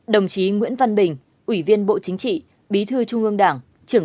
chín đồng chí nguyễn văn bình ủy viên bộ chính trị bí thư trung ương đảng